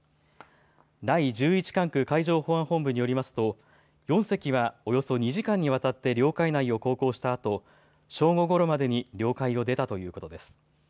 第１１管区海上保安本部によりますと４隻はおよそ２時間にわたって領海内を航行したあと正午ごろまでに領海を出たということです。